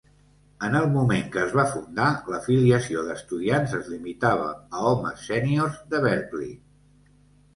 En el moment que es va fundar, l'afiliació d'estudiants es limitava a homes sèniors de Berkeley.